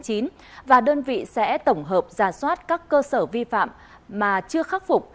công an thành phố hà nội sẽ tổng hợp giả soát các cơ sở vi phạm mà chưa khắc phục